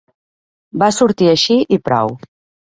Va sortir així i prou.